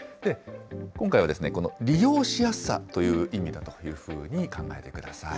今回はこの利用しやすさという意味だというふうに考えてください。